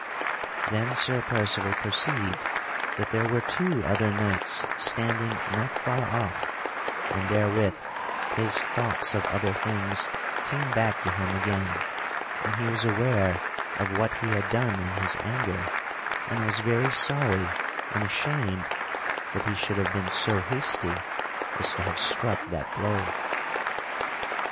Then Sir Percival perceived that there were two other knights standing not far off, and therewith his thoughts of other things came back to him again and he was aware of what he had done in his anger, and was very sorry and ashamed that he should have been so hasty as to have struck that blow.